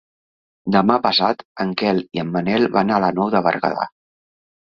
Demà passat en Quel i en Manel van a la Nou de Berguedà.